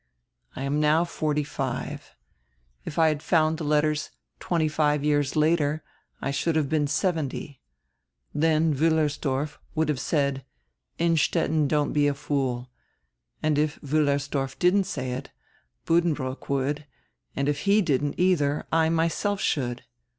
I am now forty five. If I had found die letters twenty five years later I should have been seventy . Then Wiillersdorf would have said: 'Innstetten, don't be a fool.' And if Wiillersdorf didn't say it, Buddenbrook would, and if he didn't, eidier, I myself should.